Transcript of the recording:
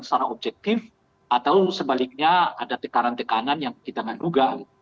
secara objektif atau sebaliknya ada tekanan tekanan yang kita nggak duga